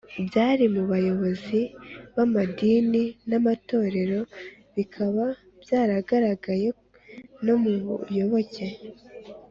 Byari mu bayobozi b’amadini n’amatorero bikaba byaragaragaraye no mu bayoboke